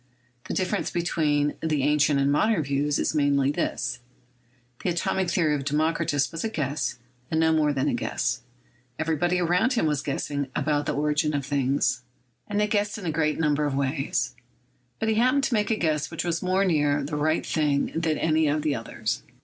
... The difference between the [ancient and modern views] is mainly this : the atomic theory of Democritus was a guess, and no more than a guess. Everybody around him was guessing about the origin of things, and they guessed in a great number of i73 174 CHEMISTRY ways; but he happened to make a guess which was more near the right thing than any of the others."